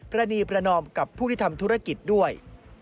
รณีประนอมกับผู้ที่ทำธุรกิจด้วย